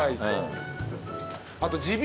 あと。